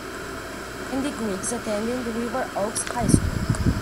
Andy Griggs attended River Oaks High School.